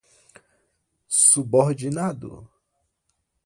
subordinado